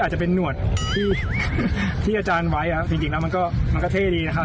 อาจจะเป็นหนวดที่อาจารย์ไว้จริงแล้วมันก็เท่ดีนะครับ